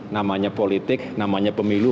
namanya politik namanya pemilu